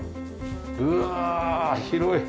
うわあ広い。